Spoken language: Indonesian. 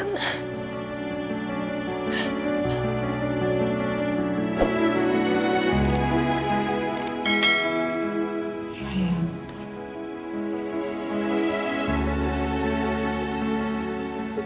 ingatlah kesha di dalam kebaikan